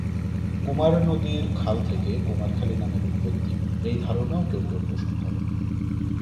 কুমার নদীর খাল থেকে ‘কুমারখালী’ নামের উৎপত্তি এই ধারণাও কেউ কেউ পোষণ করেন।